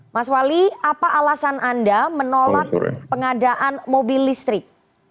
mas wali apa alasan anda menolak pengadaan mobil listrik